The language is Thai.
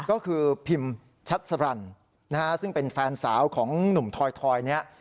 ก็คือพิมชัดสรรนะฮะซึ่งเป็นแฟนสาวของหนุ่มทอยเนี่ย